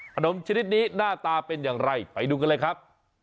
ขนมชนิดนี้หน้าตาเป็นอย่างไรไปดูกันเลยครับ